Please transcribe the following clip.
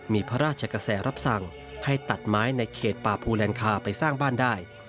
มีพระราชกระแสรับสั่งให้ตัดไม้ในเขตป่าภูแลนคาไปสร้างบ้านได้